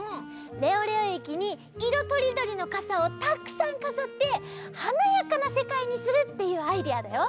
レオレオえきにいろとりどりのかさをたくさんかざってはなやかなせかいにするっていうアイデアだよ。